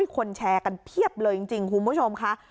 คนแชร์กันเพียบเลยจริงคุณผู้ชมค่ะ